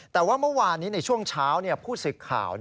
แต่ว่าเมื่อวานนี้ในช่วงเช้าผู้สึกข่าว